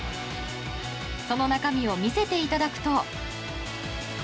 その中身を見せていただくと。